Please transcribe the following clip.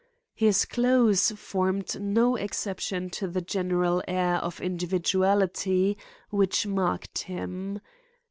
His clothes formed no exception to the general air of individuality which marked him.